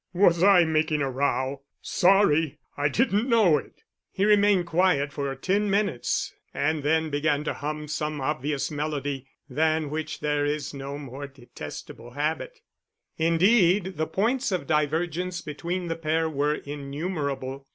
"Was I making a row? Sorry; I didn't know it." He remained quiet for ten minutes and then began to hum some obvious melody, than which there is no more detestable habit. Indeed the points of divergence between the pair were innumerable.